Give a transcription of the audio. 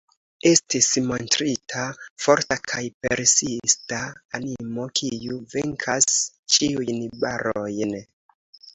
Estis montrita forta kaj persista animo, kiu venkas ĉiujn barojn.